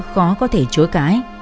khó có thể chối cãi